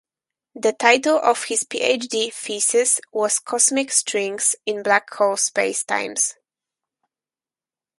The title of his PhD thesis was "Cosmic strings in black hole spacetimes".